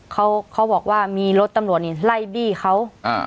เขาบอกว่ามีรถตำรวจไล่บี้เขา